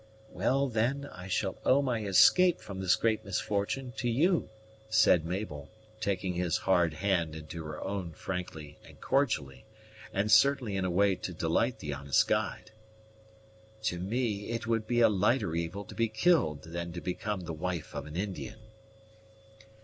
"Well, then, I shall owe my escape from this great misfortune to you," said Mabel, taking his hard hand into her own frankly and cordially, and certainly in a way to delight the honest guide. "To me it would be a lighter evil to be killed than to become the wife of an Indian."